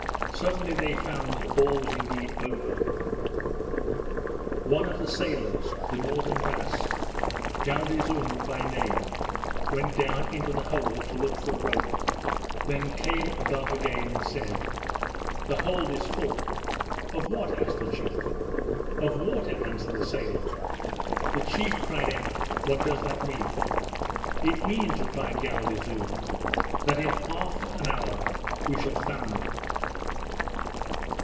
Suddenly they found that all was indeed over. One of the sailors, the northern Basque, Galdeazun by name, went down into the hold to look for a rope, then came above again and said, "The hold is full." "Of what?" asked the chief. "Of water," answered the sailor. The chief cried out, "What does that mean?" "It means," replied Galdeazun, "that in half an hour we shall founder."